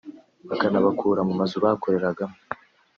kakanabakura mu mazu bakoreragamo